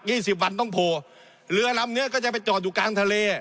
ี่สิบวันต้องโผล่เรือลำเนี้ยก็จะไปจอดอยู่กลางทะเล